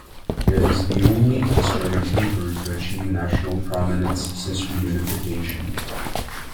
It is the only East German paper to achieve national prominence since reunification.